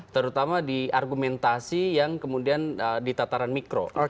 terutama di argumentasi yang kemudian di tataran mikro